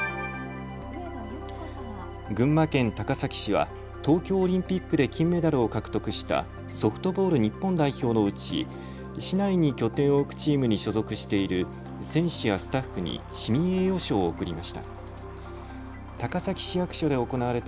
群馬県高崎市は東京オリンピックで金メダルを獲得したソフトボール日本代表のうち市内に拠点を置くチームに所属している選手やスタッフに市民栄誉賞を贈りました。